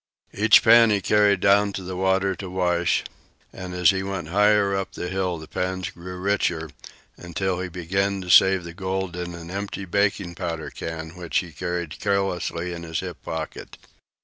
Each pan he carried down to the water to wash, and as he went higher up the hill the pans grew richer, until he began to save the gold in an empty baking powder can which he carried carelessly in his hip pocket.